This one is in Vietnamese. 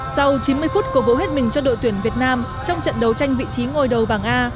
sau chín mươi phút cổ vũ hết mình cho đội tuyển việt nam trong trận đấu tranh vị trí ngôi đầu bảng a